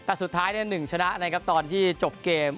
แต่สุดท้าย๑ชนะนะครับตอนที่จบเกม